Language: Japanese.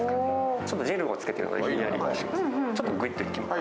ちょっとジェルをつけているのでひんやりします。